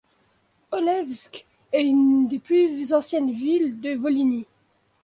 Olevsk est une des plus anciennes villes de Volhynie.